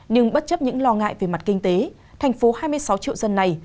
nhưng bất chấp những lo ngại về mặt kinh tế thành phố hai mươi sáu triệu dân này